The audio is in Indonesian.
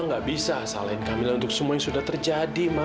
nggak bisa salahin kamil untuk semua yang sudah terjadi